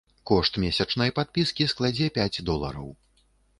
Кошт месячнай падпіскі складзе пяць долараў.